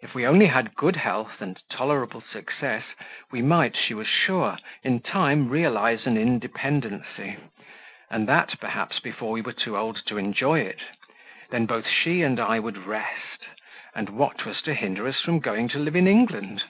If we only had good health and tolerable success, me might, she was sure, in time realize an independency; and that, perhaps, before we were too old to enjoy it; then both she and I would rest; and what was to hinder us from going to live in England?